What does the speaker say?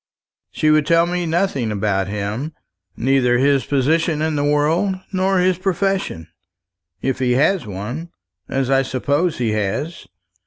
She would tell me nothing about him neither his position in the world, nor his profession, if he has one, as I suppose he has.